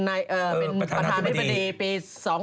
ประธานทฤษฐิปี๒๐๑๖